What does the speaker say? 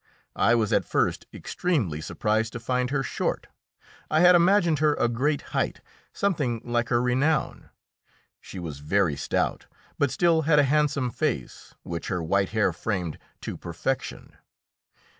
I was at first extremely surprised to find her short; I had imagined her a great height something like her renown. She was very stout, but still had a handsome face, which her white hair framed to perfection.